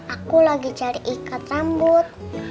aku lagi cari ikat rambut